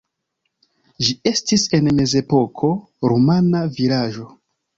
Ĝi estis en mezepoko rumana vilaĝo.